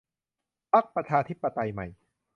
พรรคประชาธิปไตยใหม่